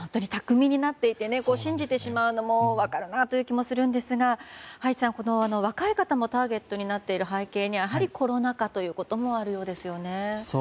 巧みになっていて信じてしまうのも分かるなという気もするんですが葉一さん、若い方もターゲットになっている背景には、やはりコロナ禍ということもあるようですね。